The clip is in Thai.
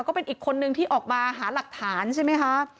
ก็เป็นอีกคนนึงที่ออกมาหาหลักฐานใช่ไหมคะ